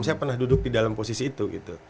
saya pernah duduk di dalam posisi itu gitu